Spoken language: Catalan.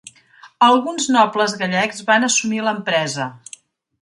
Alguns nobles gallecs van assumir l'empresa.